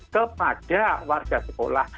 kepada warga sekolah